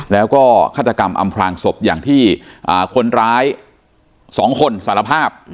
แล้วก็ฆาตกรรมอำพลางศพอย่างที่คนร้าย๒คนสารภาพ